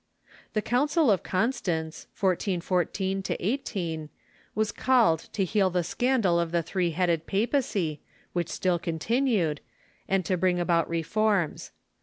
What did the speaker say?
The Council of Constance, 1414 18, was called to heal the scandal of the three headed papacy, which still continued, and to bring about reforms.